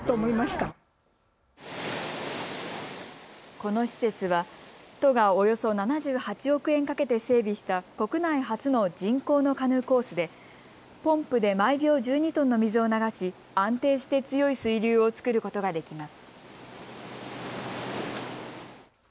この施設は都がおよそ７８億円かけて整備した国内初の人工のカヌーコースでポンプで毎秒１２トンの水を流し安定して強い水流を作ることができます。